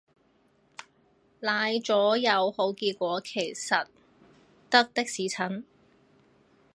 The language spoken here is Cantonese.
奶咗有好結果其實得的士陳